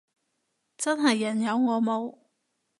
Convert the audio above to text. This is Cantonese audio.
真係人有我冇